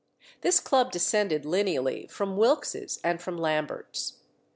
This club descended lineally from Wilkes's and from Lambert's.